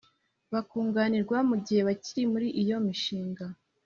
bakunganirwa mu gihe bakiri muri iyo mishinga